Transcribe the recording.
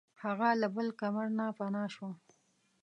هغه له بل کمر نه پناه شوه.